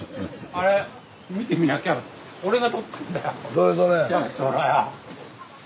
どれどれ？